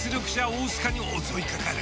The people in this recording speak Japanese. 大須賀に襲いかかる。